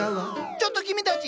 ちょっと君たち！